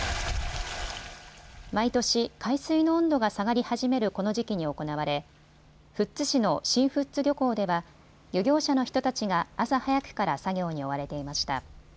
毎年、海水の温度が下がり始めるこの時期に行われ富津市の新富津漁港では漁業者の人たちが朝早くから作業に追われていました。